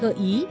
được cnn gợi ý